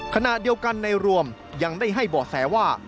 คณะเดียวกันและรวมยังได้ให้บอกแสว่า